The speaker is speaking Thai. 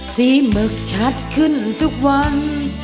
หมึกชัดขึ้นทุกวัน